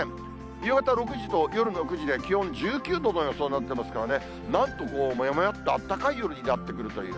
夕方６時と夜の９時で、気温１９度の予想になってますからね、なんとももやもやっと、あったかい夜になってくるという。